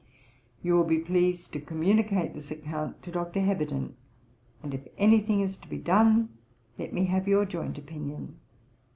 You will be pleased to communicate this account to Dr. Heberden, and if any thing is to be done, let me have your joint opinion.